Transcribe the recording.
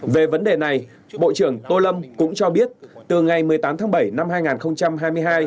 về vấn đề này bộ trưởng tô lâm cũng cho biết từ ngày một mươi tám tháng bảy năm hai nghìn hai mươi hai